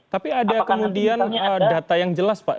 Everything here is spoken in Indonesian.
tapi ada kemudian data yang jelas pak